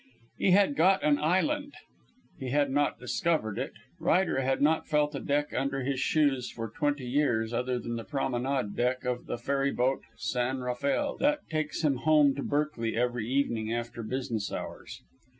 He had got an "island." He had not discovered it. Ryder had not felt a deck under his shoes for twenty years other than the promenade deck of the ferry boat San Rafael, that takes him home to Berkeley every evening after "business hours."